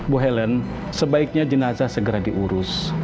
bu helen sebaiknya jenazah segera diurus